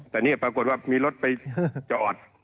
แต่เคยปรากฏนี้รถจอด